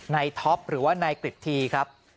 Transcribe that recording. ในท็อปหรือว่าในกฤทธีครับ